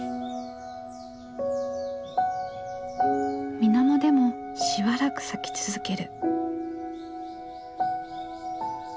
水面でもしばらく咲き続ける。